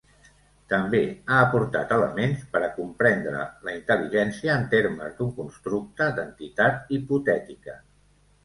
També, ha aportat elements per a comprendre la intel·ligència en termes d’un constructe d’entitat hipotètica.